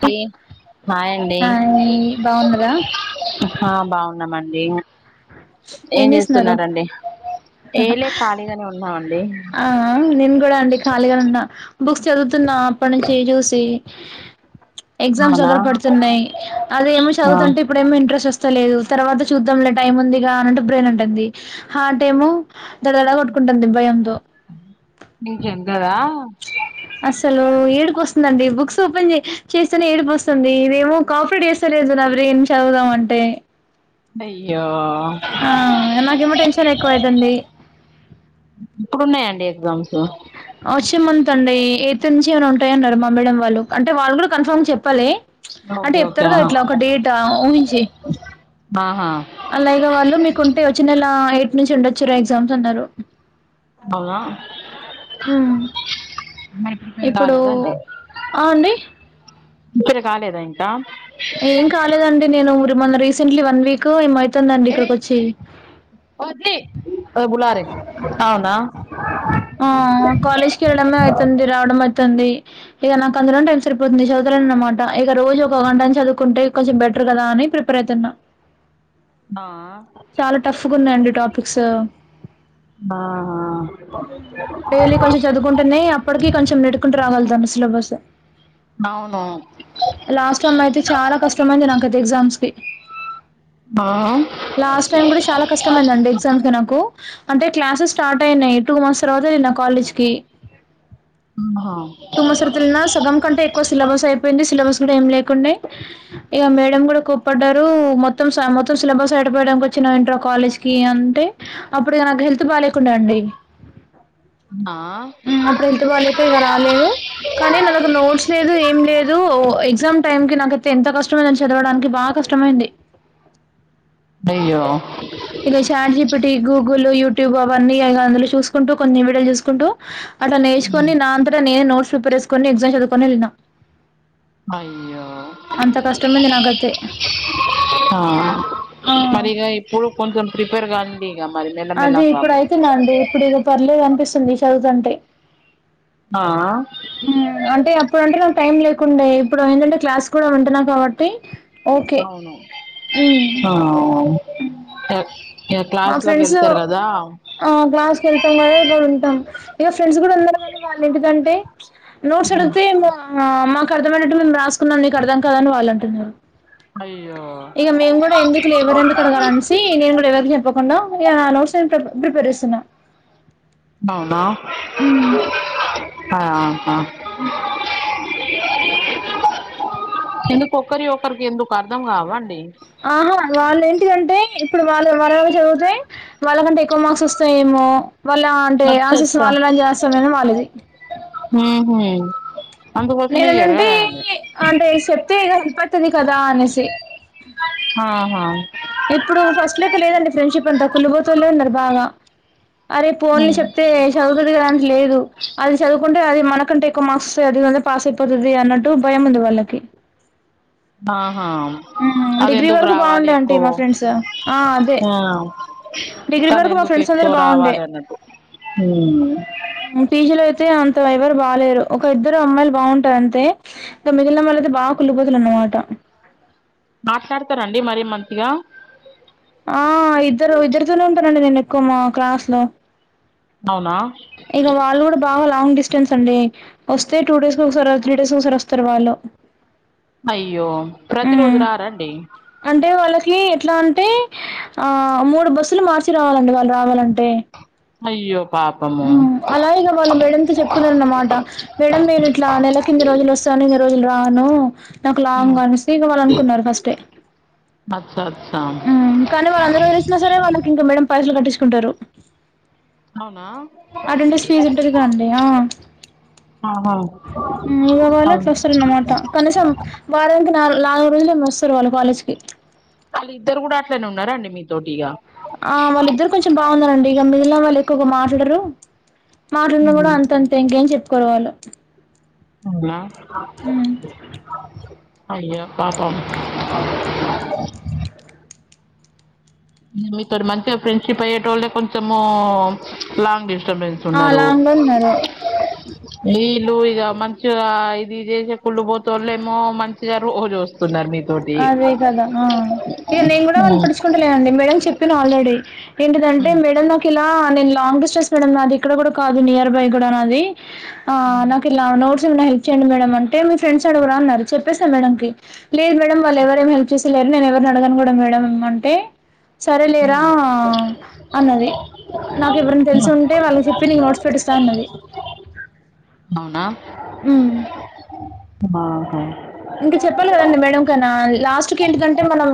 Hello hi అండి hi బాగున్నారా ఆ బాగున్నమండి ఏం చేస్తున్నరండి ఏలే ఖాళీగానే ఉన్ననండి ఖాళీగానె ఉన్నా బుక్స్ చదువుతున్నా అప్పటి నుంచి చూసి. ఎగ్జామ్స్ అవునా దగ్గర పడుతున్నాయ్ అది ఏమో ఆ చదువుతంటే ఇప్పుడెమో ఇంట్రస్ట్ వస్తలేదు తర్వాత చూద్దాంలే టైమ్ ఉంది గానంటే బ్రెయిన్ అంటంది హార్ట్ ఏమో దడదడ కొట్టుకుంటంది భయంతో. నిజం గదా అసలు ఏడుపొస్తుందండి బుక్స్ ఓపెన్ చే చేస్తేనే ఏడుపొస్తుంది ఇదేమె కాఫీ డేస్ తెలీదు నా బ్రెయిన్ చదువుదాం అంటే అయ్యో ఆ నాకేమో టెన్షన్ ఎక్కువ అయితంది ఇప్పుడు వున్నాయండి ఎగ్జామ్సు వొస్సే మంత్ అండి ఎయిత్ నుంచి ఏమన్నా ఉంటాయ్ అన్నారు మా మేడ వాళ్ళు, అంటే వాళ్ళు కూడా కన్ఫామ్ చెప్పలే. చ్ అంటే ఓకే ఓకే చెప్తారు కదా ఆహా ఇట్లా ఒక డే టా ఊహించి ఆ హా అలాగే వాళ్ళు మీకుంటే వచ్చే నెల ఎయిట్ నుంచి ఉండొచ్చురా ఎగ్జామ్స్ అన్నారు. అవునా ఉ మరి ప్రిపేర్ ఇప్పుడు ఆ అండి ముచ్చట కాలేదా ఇంకా ఏం కాలేదండి నేను ఉరు మొన్న రీసెంట్లీ వన్ వీక్ ఏమె అయితుందండి ఇక్కడికి వచ్చి. ఓది వొబులారే అవునా ఆ కాలేజీకి వెళ్ళడమే అయితుంది రావడం అయితుంది ఇగా నాకు అందులోనే టైం సరిపోతుంది చదువుత లేను అనమాట ఇగా రోజు ఒక వన్ టైం చదువుకుంటే కొంచెం బెటర్ కదా అని ప్రిపేర్ అయితున్న ఆ చాలా టఫ్ గా ఉన్నాయండి టాపిక్స్ బా డైలీ కొంచెం చదువుకుంటేనే అప్పటికి కొంచెం నెట్టుకుంటూ రావాలి దాని సిలబస్ బవును లాస్ట్ వన్ అయితే చాలా కష్టమైంది నాకైతే ఎగ్జామ్స్ కి ఆమ్ లాస్ట్ టైం కూడా చాలా కష్టమైందండి ఎగ్జామ్స్ కీ నాకు అంటే క్లాసెస్ స్టార్ట్ అయినాయి టూ మంత్స్ తరువాత వెళ్ళినా కాలేజ్ కి ఆహా సుమా శ్రుతున్నా సగం కంటే ఎక్కువ సిలబస్ అయిపోయింది సిలబస్ కూడా ఏం లేకుండే ఇగా మేడమ్ కూడా కోప్పడ్డారు మొత్తం మొత్తం సిలబస్ ఆయాడిపోయడానికి వచ్చినవ్ ఏంట్రా కాలేజ్ కి కీ అంటే అప్పుడు నాకు హెల్త్ బాగా లేకుండే అండి ఆ హు అప్పుడు హెల్త్ బాగోలేక ఇగా రాలేదు కానీ నాకు నోట్స్ లేదు ఏం లేదు ఎగ్జామ్ టైమ్ కి నాకైతే ఎంత కష్టమైందో చదవడానికి బా కష్టమైంది అయ్యో ఇగ చాట్ జిపిటి గూగుల్ యూట్యూబ్ అవన్నీ ఇగా అందులో చూసుకుంటూ కొన్ని వీడియోలు చూసుకుంటూ అట్ల ఉమ్. నేర్చుకొని నా అంతట నేనే నోట్ ప్రిపేర్ చేసుకొని ఎగ్జమ్ చదువుకొని వెళ్లిన అయ్యో అంత కష్టమైంది నాకు అయితే ఆ మరి ఇగా ఇప్పుడు కొంచెం ప్రిపేర్ కండి ఇగా మరి మెల్ల మెల్లగా అదే ఇప్పుడు అయితున్న అండి ఇప్పుడు ఇగా పర్లేదు అనిపిస్తుంది చదువుతంటే ఆ హ్మ్ అంటే అప్పుడు అంటే నాకు టైం లేకుండే ఇప్పుడు ఏందంటే క్లాస్ కూడా వింటున్నా కాబట్టి ఓకే అవును మ్మ్ ఆహ్మ్ యే మా క్లాస్ లోకి ఫ్రెండ్స్ వెళ్తారు కదా ఆ క్లాస్కి వెళ్తాం కదా ఇక్కడ ఉంటాం ఇగా ఫ్రెండ్స్ కూడా ఉన్నారు కనీ వాళ్ళ ఇంటికంటే నోట్స్ అడిగితే మాకు అర్థమైనట్టు మేము రాసుకున్నాం నీకు అర్థం కాదని వాళ్ళం టున్నారు అయ్యో ఇక మేము కూడా ఎందుకు లే ఎవరెందుకు అడగాలనేసి నేను పేరు చెప్పకుండా ఇగ నోట్స్అన్ని ప్రిపేర్ చేస్తున్నా అవునా ఆహా హ్మ్ ఎందుకు ఒకరియి ఒకరికి ఎందుకు అర్థం కావండి ఆహా వాళ్ళు ఏంటిధంటే ఇప్పుడు వాళ్ళు వాళ్ళయి చదువుతే వాళ్ళకంటే ఎక్కువ మార్క్స్ వస్తాయేమో వాళ్ళ అంటే ఆన్సర్స్ వాళ్ళలాంటి చేస్తమేమో వాళ్ళది ఊహు నేను నుండి అంటే చెప్తే కనపడుతుంది కదా అనేసి ఆహా ఇప్పుడు ఫస్ట్ లెక్క లేదండి ఫ్రెండ్షిప్ అంతా కుళ్ళిపోతోల్లే ఉన్నారు బాగా అరే పోన్లే చెప్తే చదువుతది గలాంటి లేదు అది చదువుకుంటే అది మనకంటే ఎక్కువ మార్క్స్ అది పాస్ అయిపోతుది అన్నట్టు భయం ఉంది వాళ్ళకి ఆహా మ్మ్ అది డిగ్రీ ఎందుకు వరకు రావాలి బాగుండే అంటీ ఎక్కు మా ఫ్రెండ్స్ ఆ అదే ఆ డిగ్రీ తను వరకు మా ఎందుకు ఫ్రెండ్స్ అందరు ఎక్కువ బాగుండే రావాలి అన్నట్టు ఉమ్ పిజీలో అయితే అంత ఎవరు బాలేరు ఒక ఇద్దరు అమ్మాయిలు బాగుంటయి అంతే ఇ మిగిలిన వాళ్లు బా కుళ్ళుబోతులన్నమాట మాట్లాడతారండి మరి మంచిగా ఆ ఇద్దరు ఇద్దర్థోనే ఉంటానండి నేను ఎక్కువ మా క్లాస్ లో అవునా ఇక వాళ్ళు కూడా బాగా లాంగ్ డిస్టెన్స్ అండి వస్తే టూ డేస్ ఒకసారీ త్రీ డేస్కి ఒకసారి వస్తారు వాళ్ళు అయ్యో ప్రతి రోజు ఉమ్ రారండి అంటే వాళ్ళకి ఎట్లా అంటే ఆ మూడు బస్సులు మార్చి రావాలండి వాళ్ళు రావాలంటే అయ్యో పాపమో అలాగ ఇగా వాళ్ళు మేడంతో చెప్పుకున్నారన్నమాట మేడం నేను ఇట్లా నెల కిన్ని రోజులు వస్తాను ఇన్ని రోజులు రాను నాకు ఉమ్. లాంగ్ అనేసి ఇగ వాళ్ళు అనుకున్నారు ఫస్టే అచ్చ అచ్చా కానీ వాళ్ళందరూ వేసిన సర వాళ్ళకి ఇంకా మేడమ్ పైసలు కట్టించుకుంటారు అటెండెన్స్ ఫీజు ఉంటది కదండి ఆ అవునాఆహా ఇగ వాల్ల అట్లా వస్తరన్న మాట కనీసం వారానికి నాలుగు నాలుగు రోజులు ఏమో వస్తారు వాళ్ళు కాలేజ్ కి వాళ్ళు ఇద్దరు కూడా అట్లనే ఉన్నారండి మీతోటి ఇగ ఆ వాళ్ళిద్దరు కొంచెం బాగున్నారండి ఇక మిగిలిన వాళ్ళు ఎక్కువగా మాట్లాడరు మాటన్న కూడా అంతంతే ఇంకేం చెప్పుకోరూ వాళ్ళు అవునా ఉమ్ అయ్యో పాపం మీతోటి మంచిగా ఫ్రెండ్షిప్ అయ్యేటోళ్లే కొంచెం లాంగ్ డిస్టబెన్స్ ఆ టున్నారు లాంగ్ లో ఉన్నారు ఈళ్ళు ఇగ మంచిగా ఇది చేసే కుళ్ళు పోతోళ్ళు ఏమో మంచిగా రోజు వస్తున్నారు మీరు అదే కదా ఆ ఇక నేను కూడా వాళ్ళను పట్టించుకో కోవట్లేదండి మేడం చెప్పిన ఆల్రెడీ ఏంటిదంటే మేడం నాకు ఇలా ఆ నేను లాంగ్ డిస్టెస్ మేడం నాది ఇక్కడ కూడా కాదు నియర్ బై కూడా నాది ఆ నాకిలా నోడ్స్ ఉన్నా ఇచ్చేయండి మేడం అంటే మీ ఫ్రెండ్స్ ఆడగరా అన్నారు చెప్పేసా మేడం కి లేదు మేడం వాళ్ళు ఎవరు ఏం హెల్ప్ చేసేలేరు నేను ఎవరిని అడగను కూడా మేడం అంటే సరే లేరా అన్నది నాకు ఎవరిని తెలిసి ఉంటే వాళ్ళకి చెప్పి నీకు నోట్స్ పెట్ ఇస్తాఅన్నది అవునా ఆహా హ్మ్ ఇంక చెప్పాలి కదండి మేడం కైనా లాస్ట్ కి ఎందుకంటే మనం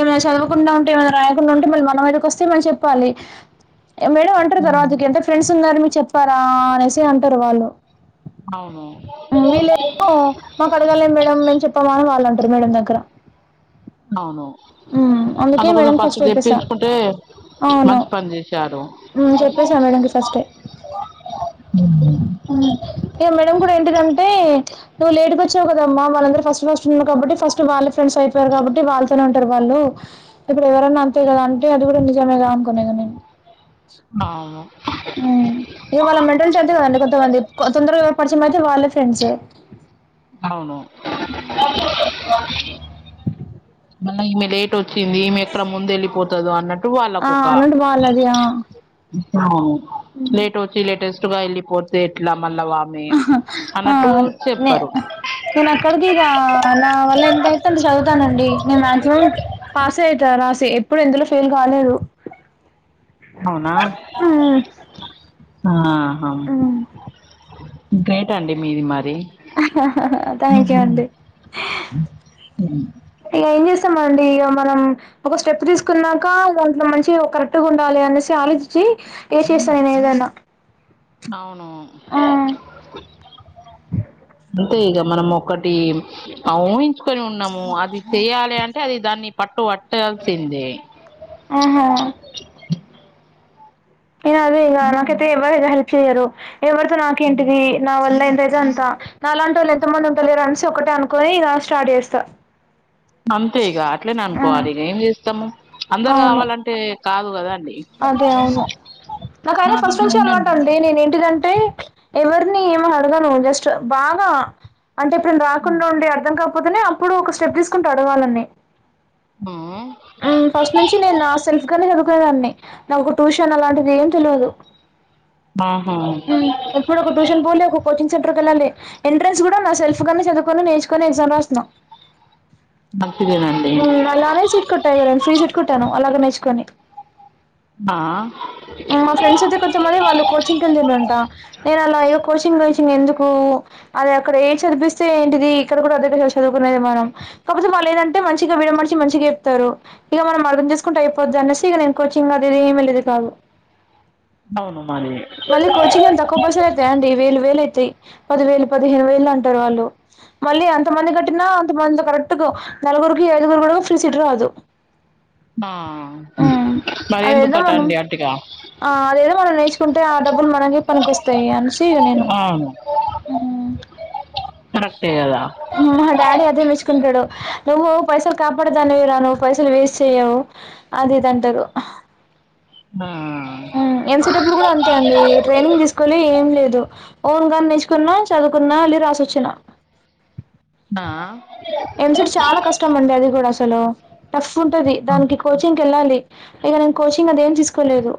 ఏమైనా చదవకుండా ఉంటే ఏమైనా రాయకుండా ఉంటే మళ్లి మనం మీదకి వస్తే మనం చెప్పుకోవాలి మేడం అంటారు తర్వాతకి ఎంత ఫ్రెండ్స్ ఉన్నారు మీకు చెప్పరా అనేసి అంటారు వాళ్ళు అవును వీళ్ళేమో మాకు అడగలేదు మేడం మేమ్ చెప్పమ అని వాళ్ళంటారు మేడం దగ్గర అవును ఉమ్, అందుకే అందుకోసం మేడం ఫస్ట్ చెప్పేసా తెప్పించుకుంటే మంచి పని చేసారు మ్ చెప్పేసా మేడంకి ఫస్టే వద్దు ఇగ మేడం కూడా ఏంటిదంటే నువ్వు లేటు వచ్చావు కదమ్మా వాళ్ళందరు ఫస్ ఫస్ట్ ఉన్నా కాబట్టి ఫస్ట్ వాళ్ళ ఫ్రెండ్స్ అయిపోయారుబట్టి వాళ్ళతోనే ఉంటారు వాళ్ళు ఇప్పుడు ఎవరన్నా అంతే కదా అంటే అది కూడా నిజమే గా అనుకున కను అవును మ్మ్? ఇక వాళ్ళ మెంటల్ స్టెల్త్ కదండి కొంతమంది తొందరగా పరిచిన అయితే వాళ్ళ ఫ్రెండ్స్ అవును మళ్ళ ఈమె లే [unintelligible] వచ్చింది ఈమె ఎక్కడ ముందు వెళ్ళిపోతుందో అన్నట్టు ఆ! వాళ్ళకొక అన్నట్టు వాళ్ళది. ఆ! ఆ లేట్ వచ్చి లేటెస్ట్గా వెళ్ళిపోతే ఎట్లా మళ్ళా వా ని ఆ! అన్నట్టు నే చెర్పారు నేను అక్కడికి ఇగ నా వల్ల ఎంతైతే అంత చదువుతానండి నేను మ్యాగ్జిమం పాస్ అయింత రాసి ఎప్పుడు ఎందులో ఫెయిల్ కాలేదు అవునా హ్మ్. ఆహ హ్మ్. గ్రేట్ అండి మీది మరి థాంక్యూ ఉహు. అండి ఇగ ఏం చేస్తాం అండి ఇగ మనం ఒక స్టెప్ తీసుకున్నాక ఒంట్లో మంచి కరెక్ట్గా ఉండాలి అనేసి ఆలోచించి ఏ చేస్త నేను ఏదైన్నా అవును అంతే ఇగ మనం ఒకటి ఊహించుకొని ఉన్నాము అది చేయాలి అన్ టే అది దాన్ని పట్టు పట్టేయాల్సిందే ఆ నేను అదే ఇగ తిన్నారండి? నాకెట్ట ఎవ్వరు [unintelligible] హెల్ప్ చేయ్యరు ఎవరితో నాకేంటిది నా వల్ల ఏంతైతే అంత నాలాంటోళ్ళు ఎంత మంది ఉంటలేరు అన్సి ఒకటే అనుకుని ఇగ స్టార్ట్ చేస్తా అంతే ఇగ అట్లేనే ఆ అనుకోవాలి ఇక ఏం చేస్తాము అందరు అవును కావాలంటే కాదు కదా అండి అదే అవును నాకు అయినా ఫస్ట్ మనతోటి నుంచి ఉండరు అలవాటు ఉంది అంటే నేను ఏంటిదంటే ఎవరిని ఏమో అడగను జస్ట్ బాగా అంటే ఎప్పుడన్న రాకుండా ఉండి అర్థం కాకపోతేనే అప్పుడు ఒక స్టెప్ తీసుకుంటూ అడగాలని ఆ మ్మ్ ఫస్ట్ నుంచి నేను నా సెల్ గానే చదుకునేదాన్ని నాకు ఒక ట్యూషన్ అలాంటిది ఏం తెల్వదు ఆహా ఇప్పుడు ఒక ట్యూషన్ పోలే ఒక కోచింగ్ సెంటర్కి వెళ్ళాలి ఎంట్రెన్స్ కూడా నా సెల్ఫ్గానే చదువుకొని నేర్చుకొని ఎగ్జమ్ రాసిన మంచిదేనండి మ్మ్ అలానే సీట్ కొట్టను నేను ఫ్రీ సీట్ కొట్టాను అలాగ నేర్చుకొని ఆా మా ఫ్రెండ్స్ అయితే కొంచెంమంది వాళ్ళు కోచింగ్ కి వెళ్ళిరంట నేను అలా ఏ కోచింగ్ కోచింగ్ ఎందుకు అది అక్కడ ఏ చదిపిస్తే ఏంటిది ఇక్కడ కూడా అద చదువుకునేది మనం కాకపోతే వాళ్ళు ఏదంటే మంచిగా విడమడిచి మంచిగా చెప్తారు ఇగ మనం అర్థం చేసుకుంటే అయిపోద్దు అనేసి ఇక నేను కోచింగ్ అది ఏమీ లేదు కాదు అవును మరి మళ్ళీ కోచింగ్ ఏం తక్కువ పసాలు అయితయ అండి వేలు వేలు అయితాయి పది వేలు పదిహేను వేలు అంటారు వాళ్ళు మళ్ళీ అంత మంది కట్టినా అంత మంది కరెక్ట్ నలుగురుకి ఐదుగురు కూడా ఫ్రీ సీట్ రాదు ఆ మరి ఎందుకు అదేదో కట్ట అండి అటిగా కుంటే ఆ డబ్బులు మనకే పనికికొస్తాయి అనేసి నేను కరెక్ట్ ఏయ్ కదా మా డాడీ అదే మెచ్చుకుంటాడు నువ్వు పైసలు కాపాడే దాన్నివి రా నువ్వు పైసలు వేస్ట్ చెయ్యవు అది ఇది అంటారు నా హా అంతే అండి ట్రైనింగ్ తీస్ కో లీ ఏం లేదు ఓన్ గానే నేర్చుకున్న చదువుకున్నా ఎలి రాసి వచ్చినా నా ఎంసెట్ చాలా కష్టం అండి అది కూడా అసలు టఫ్ ఉంటది దానికి కోచింగ్ వెళ్ళాలి ఇగ నేను కోచింగ్ అదేం తీసుకోలేదు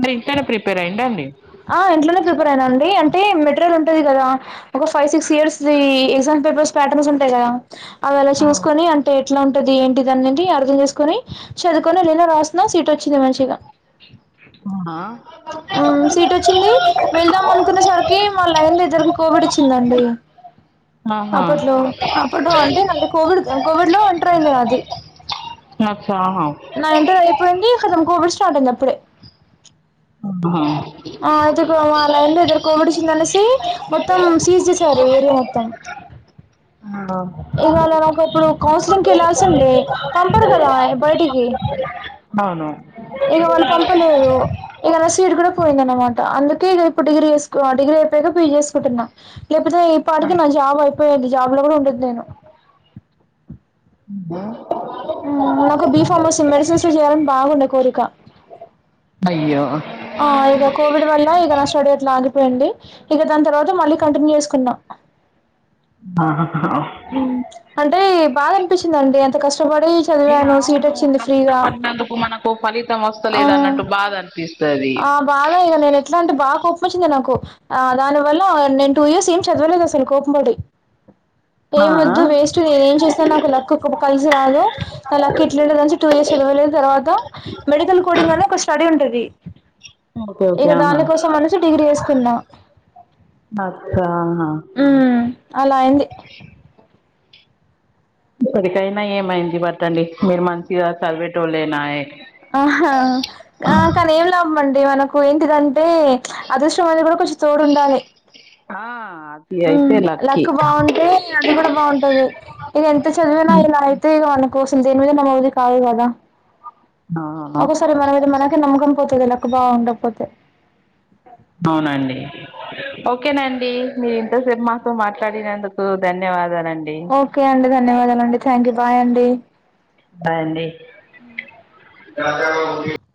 మీరు ఇంటితా నే ప్రిపేర్ అయ్యిండా అండి ఆ ఇంట్లోనే ప్రిపేర్ అయినా అండి అంటే మెటీరియల్ ఉంటది కదా ఒక ఫైవ్ సిక్స్ ఇయర్స్ వి ఎగ్జామ్ పేపర్స్ పాట్రన్స్ ఉంటాయి కదా అవి అలా చూసుకొని టే ఎట్ల ఉంటది ఏంటిది అన్నది అర్థం చేసుకొని చదువుకొని ఏలీన రాసిన సీట్ వచ్చింది మంచిగా వునా మ్మ్ సీట్ వచ్చింది వెళ్దాం అనుకున్న సరికి మా లైన్ లో ఇద్దరికి కోవిడ్ వచ్చింది అండి ఆహా అప్పట్లో అప్పడు అంటే నాది కోవిడ్ కోవిడ్ లో ఇంటర్ అయింది నాది అచ్చా హొ నా ఇంటర్ అయిపోయింది హతం కోవిడ్ స్టార్ట్ అయింది అప్పుడే అవున ఆ అయితే కో మా లైన్ లో ఇద్దరు కోవిడ్ వచ్చేసింది అనేసి మొత్తం సీజ్ చేసారు ఏరియా మొత్తం [unintelligible] ఇవాళ నాకు అప్పుడు కౌన్సిలింగ్ కి వెళ్లాల్సి ఉండే పంపరు కదా బయటికి బావును ఇగ వాళ్ళు పంపలేదు ఇక నా సీట్ కూడా పోయింది అన్నమాట అందుకే ఇగ ఇప్పుడు డిగ్రీ చేసుక్ డిగ్రీ అయిపోయాక పీజీ చేసుకుంటున్నా లేకపోతే పాటికి నా జాబ్ అయిపోయేది జాబ్ లో కూడా ఉండిది నేను [unintelligible] ఉ నాకు బి ఫార్మసీ మెడిసిన్స్ చేయాలని బాగుండే కోరిక అయ్యో ఆ ఇగ కోవిడ్ వల్ల ఇక నా స్టడీ అట్ల ఆగిపోయింది ఇక దాని తర్వాత మళ్ళీ కంటిన్యూ చేసుకున్న [unintelligible] ఉ ప్చ్ అంటే బాధ అనిపించింది అండి ఎంత కష్టపడి మీ చదివాను సీట్ ఆవును వచ్చింది ఫ్రీగా కష్టపడినందుకు మనకు ఫలితం వస్తలేదు అన్నట్టు బాధ అనిపిస్ స్థాది బాధే కద నేను అట్ల అంటే బాగా కోపం వచ్చింది నాకు ఆ దానివల్ల నేను టూ ఇయర్స్ ఏం చదవలేదు అసలు కోపం పడి ఆ ఏం ఆ వద్దు వేస్ట్ నేను ఏం చేస్ థ నాకు లక్ పు కలిసి రాదు ఆ లక్ ఇట్లుంటది టూ ఇయర్స్ చదవలేదు తర్వాత మెడికల్ కోడింగ్ అని ఒక స్టడీ ఉంటది ఓకే ఓకే ఇక ఆహా దాని కోసం అనేసి డిగ్రీ చేసుకున్న నాక్కా ఉ అలా అయ్యింది ఇప్పటికైనా ఏమైంది [unintelligible] మీరు మంచిగా చదివేటోలేనా ఆహా ఆ కానీ ఏం లాభంమండి మనకు ఏందుకంటే అదృష్టం అనేది కూడా కొంచెం తోడు ఉండాలి ఆ అది అయితే లక్కి తే అది కూడా బాగుంటది నేను ఎంత చదివిన ఇలా అయితే ఇక మన కోసం దేని మీద [unintelligible] కాదు కదా అవును ఒకోసారి మన మీద మనకే నమ్మకం పోతాది కాద లక్ బా ఉండకపోతే అవునండి ఓకేనండి మీరు ఇంతసేపు మాతో మాట్లాడినందుకు ధన్యవాదాలండి ఓకే అండి ధన్యవాదాలు అండి థ్యాంకు బాయ్ అండి బాయ్ అండి